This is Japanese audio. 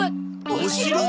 お城？